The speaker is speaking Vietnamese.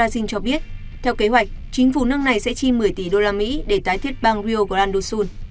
xin cho biết theo kế hoạch chính phủ nâng này sẽ chi một mươi tỷ usd để tái thiết băng rio grande do sul